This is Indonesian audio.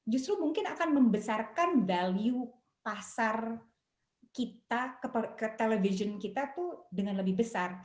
justru mungkin akan membesarkan value pasar kita ke television kita tuh dengan lebih besar